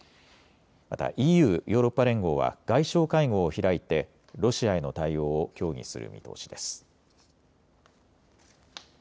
またＥＵ・ヨーロッパ連合は外相会合を開いてロシアへの対応を協議する見通しです。